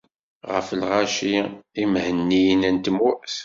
Ɣef lɣaci imhenniyen n tmurt.